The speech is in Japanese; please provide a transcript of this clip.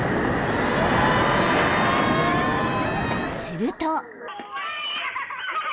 ［すると］